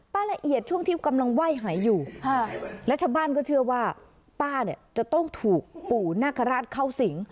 ละเอียดช่วงที่กำลังไหว้หายอยู่และชาวบ้านก็เชื่อว่าป้าเนี่ยจะต้องถูกปู่นาคาราชเข้าสิง